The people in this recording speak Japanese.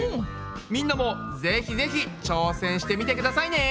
みんなもぜひぜひ挑戦してみてくださいね！